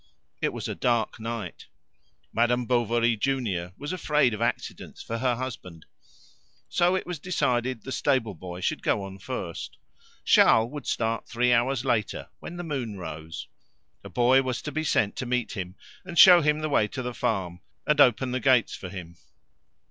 It was a dark night; Madame Bovary junior was afraid of accidents for her husband. So it was decided the stable boy should go on first; Charles would start three hours later when the moon rose. A boy was to be sent to meet him, and show him the way to the farm, and open the gates for him.